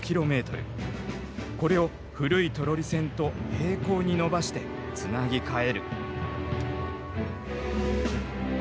これを古いトロリ線と平行に伸ばしてつなぎ替える。